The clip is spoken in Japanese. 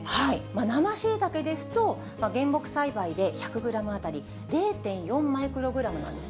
生シイタケですと、原木栽培で１００グラム当たり０．４マイクログラムなんです。